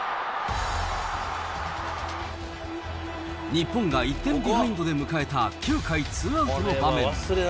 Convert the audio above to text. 日本が１点ビハインドで迎えた９回ツーアウトの場面。